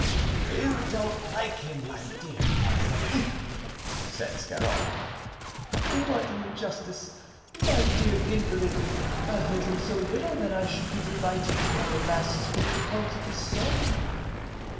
"You don't like him, my dear Parthenie," said Scarron. "What an injustice, my dear invalid! I hate him so little that I should be delighted to order masses for the repose of his soul."